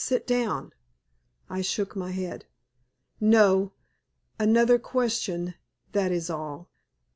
Sit down." I shook my head. "No. Another question, that is all.